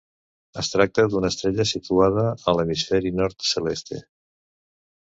Es tracta d'una estrella situada a l'hemisferi nord celeste.